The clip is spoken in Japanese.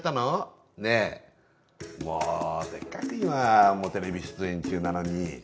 もうせっかく今テレビ出演中なのに。